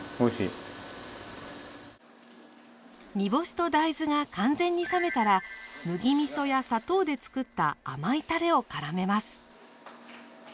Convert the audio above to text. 煮干しと大豆が完全に冷めたら麦みそや砂糖でつくった甘いたれをからめます。